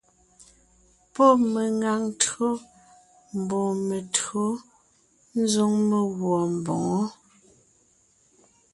Pɔ́ meŋaŋ tÿǒ mbɔɔ me[o tÿǒ ńzoŋ meguɔ mboŋó.